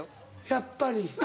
やっぱり。